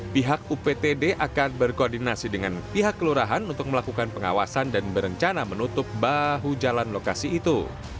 pihak uptd akan berkoordinasi dengan pihak kelurahan untuk melakukan pengawasan dan berencana menutup bahu jalan lokasi itu